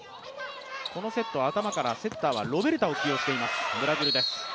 このセットは頭から、セッターにロベルタを起用しているブラジルです。